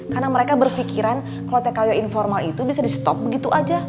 karena mereka berfikiran kalo tkw informal itu bisa di stop begitu aja